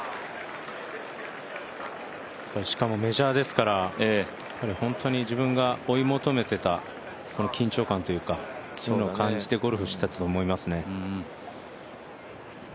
しかもメジャーですから本当に自分が追い求めていた緊張感というかそういうのを感じてゴルフしてたと思いますね。